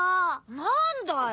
何だよ！